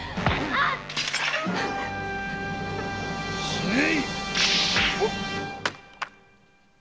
死ね！